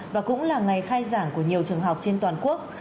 và cũng là ngày khai giảng của nhiều trường học trên toàn quốc